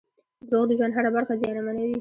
• دروغ د ژوند هره برخه زیانمنوي.